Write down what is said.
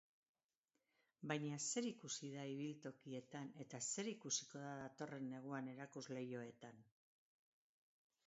Baina zer ikusi da ibiltokietan eta zer ikusiko da datorren neguan erakusleihoetan?